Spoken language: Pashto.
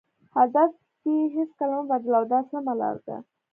هدف دې هېڅکله مه بدلوه دا سمه لار ده.